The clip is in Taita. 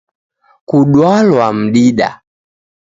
Kudwalwa mdida